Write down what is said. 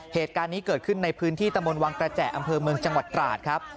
เหตุการณ์นี้เกิดขึ้นในพื้นที่ตะมนต์วังกระแจอำเภอเมืองจังหวัดตราดครับ